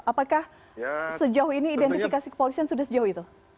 apakah sejauh ini identifikasi kepolisian sudah sejauh itu